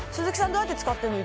どうやって使ってんの？